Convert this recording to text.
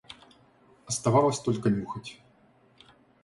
Оставалось только нюхать.